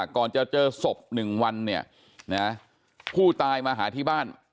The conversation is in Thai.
ก่อนจะเจอศพ๑วันผู้ตายมาหาที่บ้าน